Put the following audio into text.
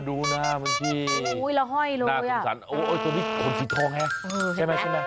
ดูหน้ามันที่โอ้ยเราห้อยเลยอ่ะหน้าสนสันโอ้ยตัวนี้ขนสีทองไงใช่ไหมใช่ไหม